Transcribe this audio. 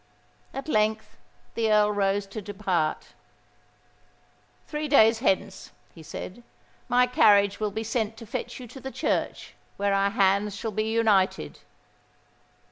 At length the Earl rose to depart. "Three days hence," he said, "my carriage will be sent to fetch you to the church where our hands shall be united."